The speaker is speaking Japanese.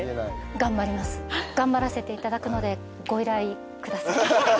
頑張らせていただくのでご依頼下さい。